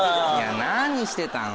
何してたの？